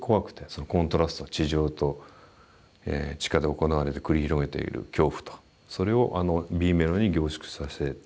そのコントラスト地上と地下で行われる繰り広げている恐怖とそれをＢメロに凝縮させたんですね。